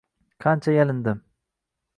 Qancha yalindim